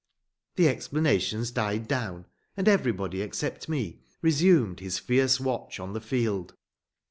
The explanations died down, and everybody except me resumed his fierce watch on the field.